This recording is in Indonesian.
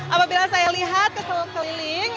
apabila saya lihat keliling